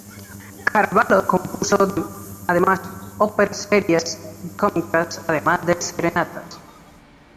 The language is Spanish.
Carvalho compuso además óperas serias y cómicas, además de serenatas.